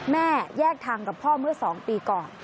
แม่แยกทางกับพ่อเมื่อ๒ปีก่อน